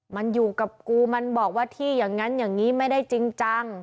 มันอยู่กับกูมันบอกว่าที่อย่างนั้นอย่างนี้ไม่ได้จริงจัง